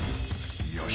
よし。